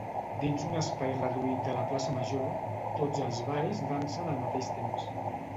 Dins un espai reduït de la plaça Major tots els balls dansen al mateix temps.